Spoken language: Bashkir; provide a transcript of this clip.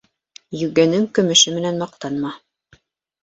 Йүгәнең көмөшө менән маҡтанма